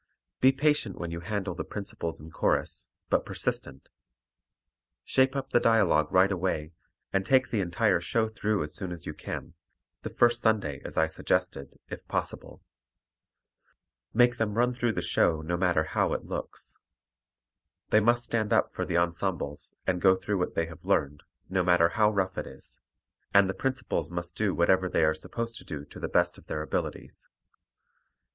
Be patient when you handle the principals and chorus, but persistent. Shape up the dialogue right away, and take the entire show through as soon as you can the first Sunday as I suggested, if possible. Make them run through the show no matter how it looks. They must stand up for the ensembles and go through what they have learned, no matter how rough it is, and the principals must do whatever they are supposed to do to the best of their abilities.